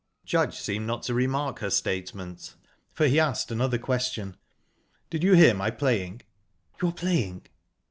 Judge seemed not to remark her statement, for he asked another question: "Did you hear my playing?" "Your playing?"